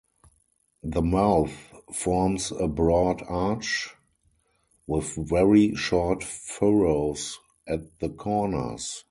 The mouth forms a broad arch, with very short furrows at the corners.